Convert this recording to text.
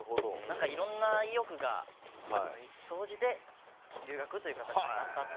いろんな意欲が総じて留学という形になった。